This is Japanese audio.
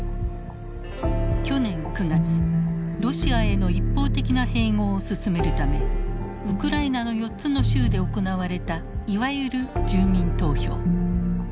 去年９月ロシアへの一方的な併合を進めるためウクライナの４つの州で行われたいわゆる住民投票。